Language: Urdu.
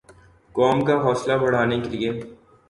قوم کا حوصلہ بڑھانے کیلئے